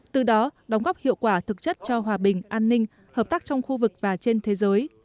từ đó đóng góp hiệu quả thực chất cho hòa bình an ninh hợp tác trong khu vực và trên thế giới